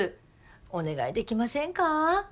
お願いできませんか？